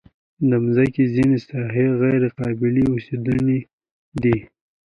د مځکې ځینې ساحې غیر قابلې اوسېدنې دي.